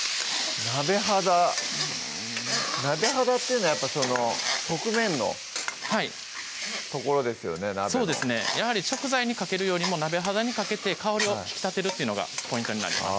鍋肌鍋肌っていうのはやっぱ側面の所ですよね鍋のそうですねやはり食材にかけるよりも鍋肌にかけて香りを引き立てるっていうのがポイントになります